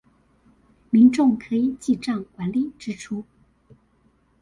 民眾可以記帳管理支出